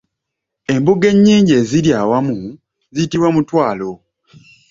Embugo ennyingi eziri awamu ziyitibwa Mutwalo.